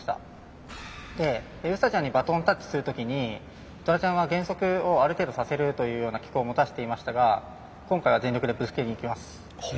でウサちゃんにバトンタッチする時にトラちゃんは減速をある程度させるというような機構を持たせていましたが今回は全力でぶつけにいきます。